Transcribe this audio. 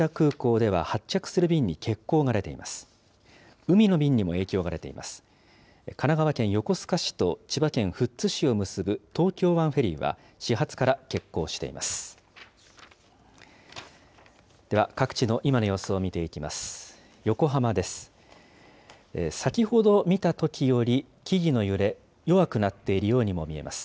では、各地の今の様子を見ていきます。